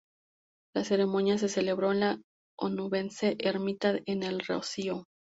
La ceremonia se celebró en la onubense ermita de El Rocío.